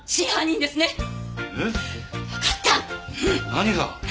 何が？